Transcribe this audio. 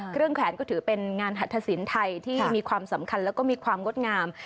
แขวนก็ถือเป็นงานหัตถสินไทยที่มีความสำคัญแล้วก็มีความงดงาม